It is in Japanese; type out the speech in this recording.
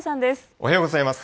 おはようございます。